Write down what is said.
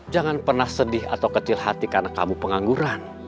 jangan pernah sedih atau kecil hati karena kamu pengangguran